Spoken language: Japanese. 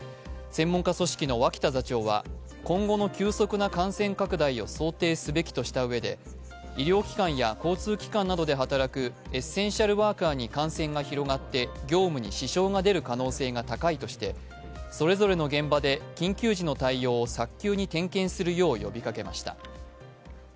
専門家組織の脇田座長は今後の急速な感染拡大を想定すべきとしたうえで医療機関や交通機関などで働くエッセンシャルワーカーに感染が広がって業務に支障が出る可能性が高いとしてそれぞれの現場で緊急時の対応を早急に点検するよう呼びかけました。